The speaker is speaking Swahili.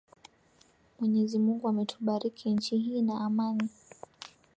mwenyezi mungu ametumbariki nchi hii na amani